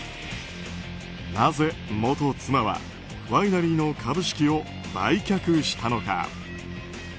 なぜ元妻はワイナリーの株式を売却したのか。